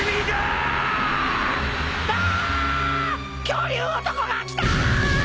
恐竜男が来たぁ！